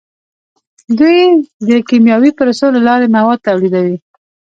دوی د کیمیاوي پروسو له لارې مواد تولیدوي.